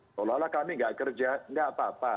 alhamdulillah kami enggak kerja enggak apa apa